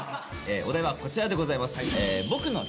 お題はこちらでございます。